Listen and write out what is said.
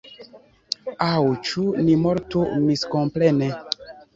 Aŭ ĉu ni mortu miskomprene?